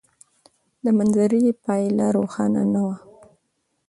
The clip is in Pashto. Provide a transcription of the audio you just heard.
د مناظرې پایله روښانه نه وه.